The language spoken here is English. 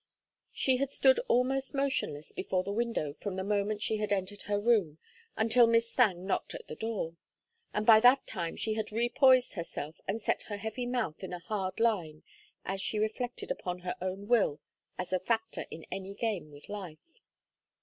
She had stood almost motionless before the window from the moment she had entered her room until Miss Thangue knocked at the door, and by that time she had repoised herself and set her heavy mouth in a hard line as she reflected upon her own will as a factor in any game with life.